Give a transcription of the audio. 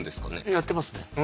やってますね。